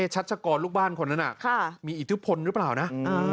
ชัชกรลูกบ้านคนนั้นมีอิทธิพลหรือเปล่านะ